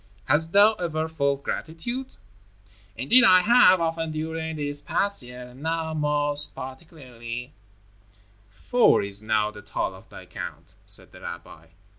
Hast thou ever felt gratitude?" "Indeed I have, often during this past year, and now most particularly." "Four is now the toll of thy count," said the rabbi.